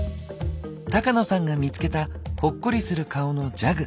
高野さんが見つけたほっこりする顔のジャグ。